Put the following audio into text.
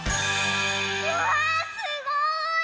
うわあすごい！